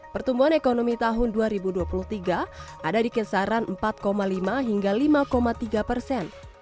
pertumbuhan ekonomi tahun dua ribu dua puluh tiga ada di kisaran empat lima hingga lima tiga persen